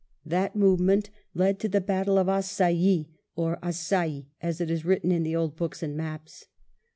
That movement led to the battle of Assaye, or Assye as it is written in the old books and maps.